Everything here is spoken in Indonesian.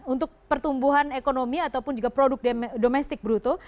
untuk pertumbuhan ekonomi ataupun juga produk domestik bruto